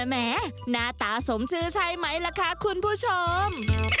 แหมหน้าตาสมชื่อใช่ไหมล่ะคะคุณผู้ชม